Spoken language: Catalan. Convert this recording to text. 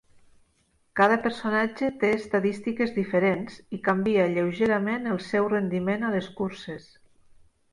Cada personatge té estadístiques diferents, i canvia lleugerament el seu rendiment a les curses.